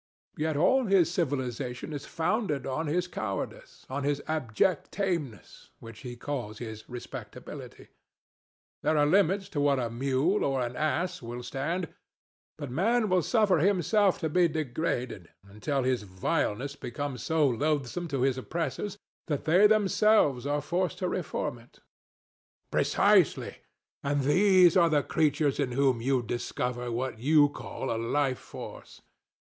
Yet all his civilization is founded on his cowardice, on his abject tameness, which he calls his respectability. There are limits to what a mule or an ass will stand; but Man will suffer himself to be degraded until his vileness becomes so loathsome to his oppressors that they themselves are forced to reform it. THE DEVIL. Precisely. And these are the creatures in whom you discover what you call a Life Force!